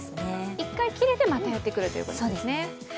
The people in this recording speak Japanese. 一回切れてまたやってくるということですね。